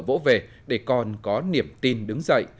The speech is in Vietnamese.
bỗ về để con có niềm tin đứng dậy